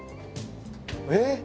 えっ？